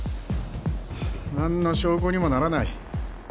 ハァ何の証拠にもならない。